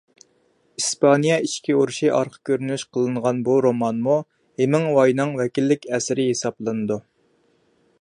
ئىسپانىيە ئىچكى ئۇرۇشى ئارقا كۆرۈنۈش قىلىنغان بۇ رومانمۇ ھېمىڭۋاينىڭ ۋەكىللىك ئەسىرى ھېسابلىنىدۇ.